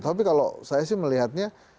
tapi kalau saya sih melihatnya